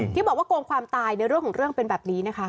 ที่บอกว่าโกงความตายในเรื่องของเรื่องเป็นแบบนี้นะคะ